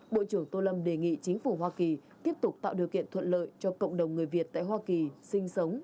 bộ trưởng tô lâm đề nghị chính phủ hoa kỳ tiếp tục tạo điều kiện thuận lợi cho cộng đồng người việt tại hoa kỳ sinh sống